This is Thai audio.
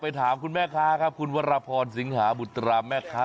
ถามคุณแม่ค้าครับคุณวรพรสิงหาบุตราแม่ค้า